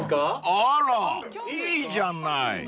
［あらいいじゃない］